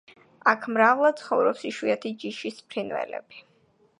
აქ მრავლად ცხოვრობს იშვიათი ჯიშის ფრინველები.